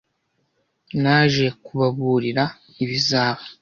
Naje kubaburira ibizaba.